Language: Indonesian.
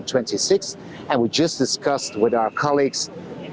dan kami baru saja berbicara dengan rakan rakan kami